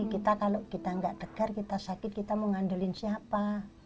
kita kalau kita nggak dengar kita sakit kita mau ngandelin siapa